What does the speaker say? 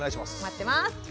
待ってます。